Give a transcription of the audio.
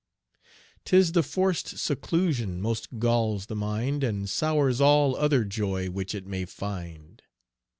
'Tis the forced seclusion most galls the mind, And sours all other joy which it may find.